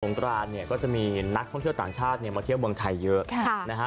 ตรงกรานเนี่ยก็จะมีนักท่องเที่ยวต่างชาติมาเที่ยวเมืองไทยเยอะ